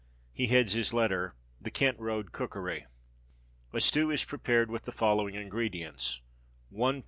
He heads his letter The Kent Road Cookery. A stew is prepared with the following ingredients: 1 lb.